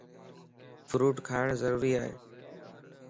ڦروٽ کاڻ ضروري ائي.